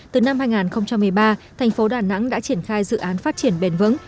từ năm hai nghìn một mươi ba thành phố đà nẵng đã triển khai dự án phát triển bền vững